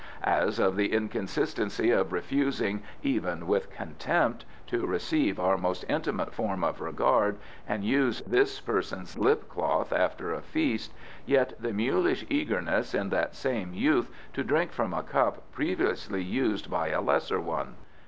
As of the inconsistency of refusing, even with contempt, to receive our most intimate form of regard and use this person's lip cloth after a feast, yet the mulish eagerness in that same youth to drink from a cup previously used by a lesser one.